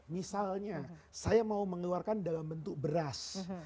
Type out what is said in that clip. misalnya saya mau mengeluarkan dalam bentuk beras